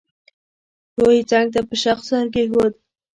ورو يې څنګ ته په شاخ سر کېښود.